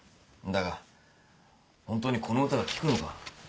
だがホントにこの歌が効くのか？